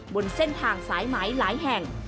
บนเส้นทางสายไหมหลายแห่ง